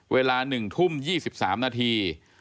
เวลา๑ทุ่ม๒๓นาที